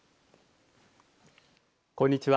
こんにちは。